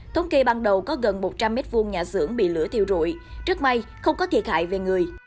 thống kê ban đầu có gần một trăm linh m hai nhà xưởng bị lửa thiêu rụi rất may không có thiệt hại về người